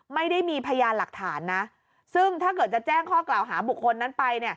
ไม่ได้มีพยานหลักฐานนะซึ่งถ้าเกิดจะแจ้งข้อกล่าวหาบุคคลนั้นไป